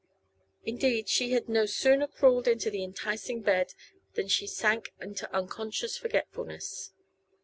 Indeed, she had no sooner crawled into the enticing bed than she sank into unconscious forgetfulness.